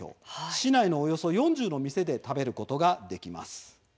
市内のおよそ４０の店で食べることができます。